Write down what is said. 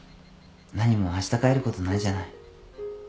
なにもあした帰ることないじゃない。